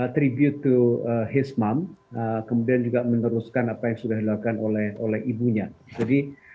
tribute to heads mom kemudian juga meneruskan apa yang sudah dilakukan oleh ibunya jadi